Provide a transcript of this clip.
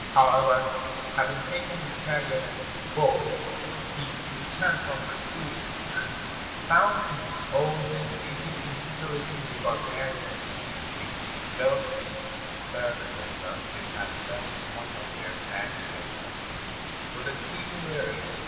However, having taken his chariot and his bow, he returned from pursuing him, and found his own men busy in pillaging the barbarians' camp, which (though to disburden themselves, they had left most of their baggage at Damascus) was exceedingly rich.